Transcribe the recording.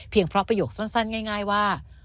เพราะประโยคสั้นง่ายว่า